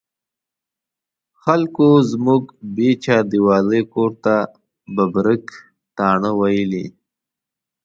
خلکو زموږ بې چاردیوالۍ کور ته ببرک تاڼه ویلې.